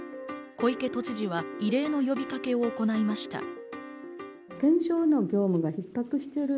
小池都知事は異例の呼びかけを行いました。